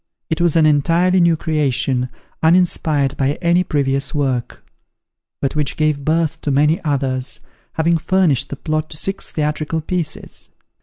It was an entirely new creation, uninspired by any previous work; but which gave birth to many others, having furnished the plot to six theatrical pieces.